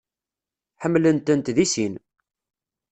Ḥemmlen-tent deg sin.